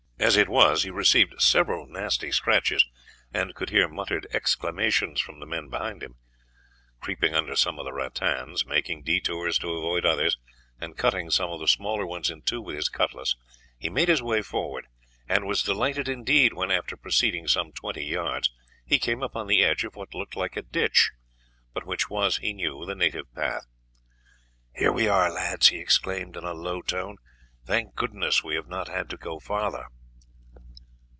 As it was, he received several nasty scratches, and could hear muttered exclamations from the men behind him. Creeping under some of the rattans, making detours to avoid others, and cutting some of the smaller ones in two with his cutlass, he made his way forward, and was delighted indeed when, after proceeding some twenty yards, he came upon the edge of what looked like a ditch, but which was, he knew, the native path. "Here we are, lads," he exclaimed in a low tone; "thank goodness we have not had to go farther."